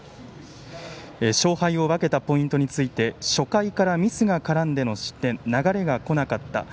勝敗を分けたポイントについて初回からミスが絡んでの失点流れがこなかった。